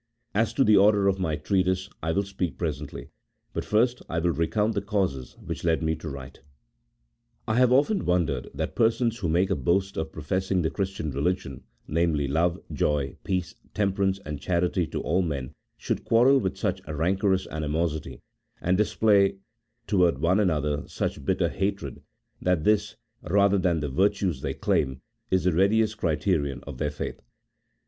As to the order of my treatise I will speak presently, but first I will recount the causes which led me to write. I have often wondered, that persons who make a boast of professing the Christian religion, namely, love, joy, peace, temperance, and charity to all men, should quarrel with such rancorous animosity, and display daily towards one another such bitter hatred, that this, rather than the vir tues they claim, is the readiest criterion of their faith.